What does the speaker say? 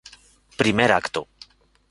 Primer Acto.